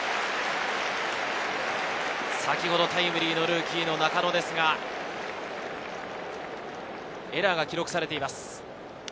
先ほどタイムリーのルーキー・中野ですが、エラーが記録されています。